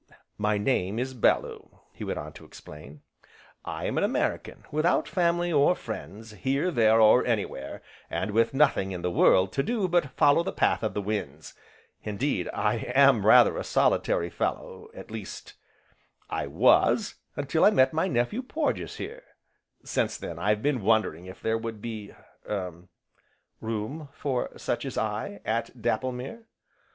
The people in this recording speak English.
"My name is Bellew," he went on to explain, "I am an American, without family or friends, here, there or anywhere, and with nothing in the world to do but follow the path of the winds. Indeed, I am rather a solitary fellow, at least I was, until I met my nephew Porges here. Since then, I've been wondering if there would be er room for such as I, at Dapplemere?"